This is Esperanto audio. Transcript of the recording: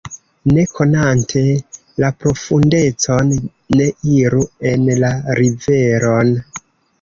Ne konante la profundecon, ne iru en la riveron.